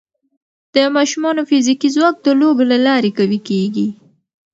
د ماشومانو فزیکي ځواک د لوبو له لارې قوي کېږي.